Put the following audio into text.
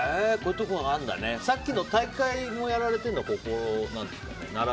さっきの大会やられているのはここなんですか？